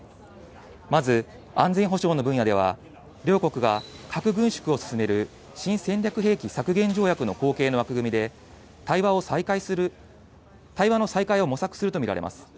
まず安全保障の分野では、両国が核軍縮を進める新戦略兵器削減条約の後継の枠組みで、対話の再開を模索すると見られます。